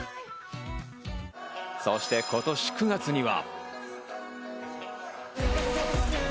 そして今年９月には。